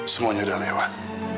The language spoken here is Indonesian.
semuanya udah lewat